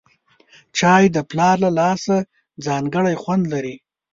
چای د پلار له لاسه ځانګړی خوند لري